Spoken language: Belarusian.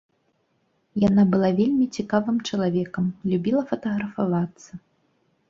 Яна была вельмі цікавым чалавекам, любіла фатаграфавацца.